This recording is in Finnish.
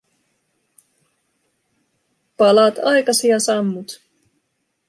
Palat aikasi ja sammut.